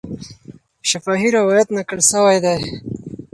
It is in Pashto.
شفاهي روایت نقل سوی دی.